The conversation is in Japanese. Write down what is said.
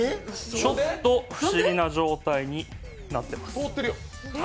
ちょっと不思議な状態になってます。